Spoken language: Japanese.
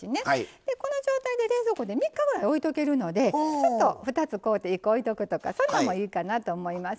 でこの状態で冷蔵庫で３日ぐらいおいとけるのでちょっと２つ買うて１個おいとくとかそんなんもいいかなと思います。